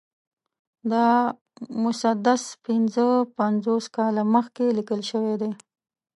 دا مسدس پنځه پنځوس کاله مخکې لیکل شوی دی.